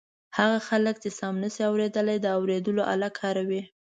هغه خلک چې سم نشي اورېدلای د اوریدلو آله کاروي.